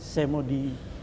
saya mau di